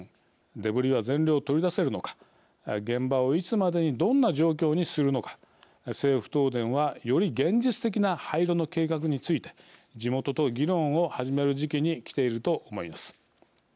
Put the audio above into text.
デブリは全量取り出せるのか現場をいつまでにどんな状況にするのか政府・東電はより現実的な廃炉の計画について地元と議論を始める時期にきていると思います。